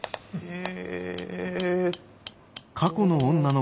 え？